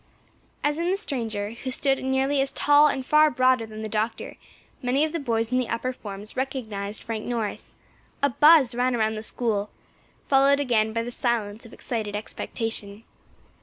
As in the stranger, who stood nearly as tall and far broader than the doctor, many of the boys in the upper forms recognised Frank Norris, a buzz ran round the School, followed again by the silence of excited expectation.